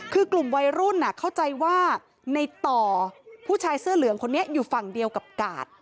คือกลุ่มวัยรุ่นเข้าใจว่าในต่อผู้ชายเสื้อเหลืองคนนี้อยู่ฝั่งเดียวกับกาด